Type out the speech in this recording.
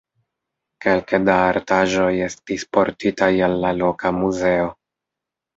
Kelke da artaĵoj estis portitaj al la loka muzeo.